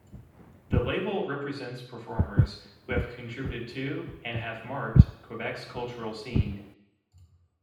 The label represents performers who have contributed to and have marked Quebec's cultural scene.